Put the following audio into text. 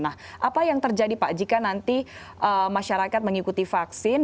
nah apa yang terjadi pak jika nanti masyarakat mengikuti vaksin